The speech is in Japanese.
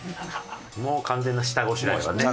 もう完全な下ごしらえはね。